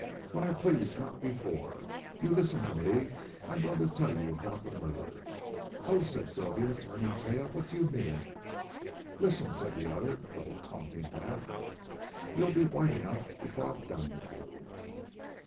"When I please, not before. You listen to me. I'm going to tell you about the murder " "Oh," said Sylvia, turning pale, "what do you mean?" "Listen," said the other, with a taunting laugh, "you'll be white enough before I've done with you.